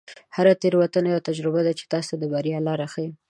هره تیروتنه یوه تجربه ده چې تاسو ته د بریا لاره ښیي.